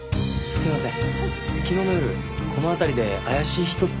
すいません。